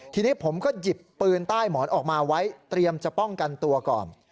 ทีนี้ผมก็หยิบปืนใต้หมอนออกมาไว้เตรียมจะป้องกันตัวก่อน